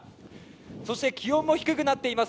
そして気温も低くなっています。